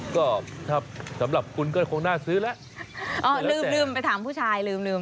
ก็ครับสำหรับคุณก็คงน่าซื้อแล้วอ๋อลืมไปถามผู้ชายลืม